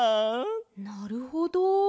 なるほど。